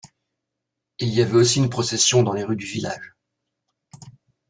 Il y avait aussi une procession dans les rues du village.